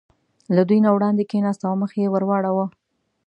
له دوی نه وړاندې کېناست او مخ یې ور واړاوه.